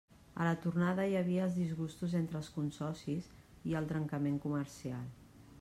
A la tornada hi havia els disgustos entre els consocis i el trencament comercial.